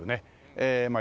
えまあ